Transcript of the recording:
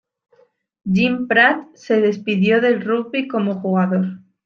Jean Prat se despidió del rugby como jugador.